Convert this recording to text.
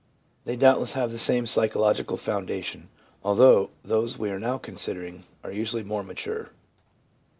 They doubtless have the same psychological foundation, although those we are now considering are usually more mature.